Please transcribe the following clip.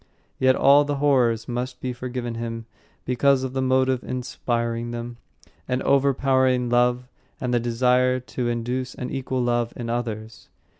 Yet all the horrors must be forgiven him because of the motive inspiring them an overpowering love and the desire to induce an equal love in others.